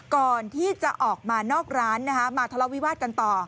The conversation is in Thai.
ก่อนที่จะออกมานอกร้านมาทะเลาวิวาสกันต่อ